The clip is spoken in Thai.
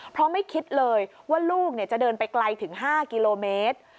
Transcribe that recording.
เพราะไม่คิดเลยว่าลูกจะเดินไปไกลถึง๕กิโลเมตร